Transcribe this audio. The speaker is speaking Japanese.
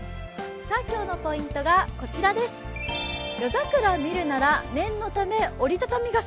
今日のポイントがこちら夜桜見るなら念のため折りたたみ傘。